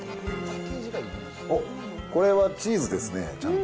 おっ、これはチーズですね、ちゃんと。